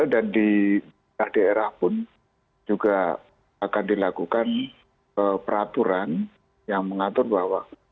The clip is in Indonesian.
dan di daerah pun juga akan dilakukan peraturan yang mengatur bahwa